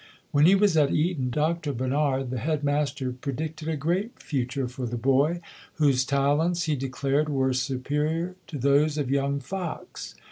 When he was at Eton Dr Barnard, the headmaster, predicted a great future for the boy, whose talents he declared were superior to those of young Fox.